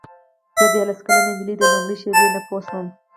زه دیارلس کلنه نجلۍ د لومړۍ شېبې نه پوه شوم.